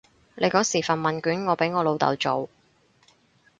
你嗰時份問卷我俾我老豆做